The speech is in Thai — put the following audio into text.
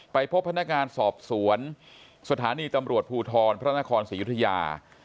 พบพนักงานสอบสวนสถานีตำรวจภูทรพระนครศรียุธยา